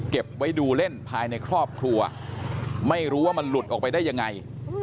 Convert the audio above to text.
เก็บไว้ดูเล่นภายในครอบครัวไม่รู้ว่ามันหลุดออกไปได้ยังไง